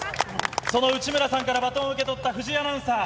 その内村さんからバトンを受け取った藤井アナウンサー。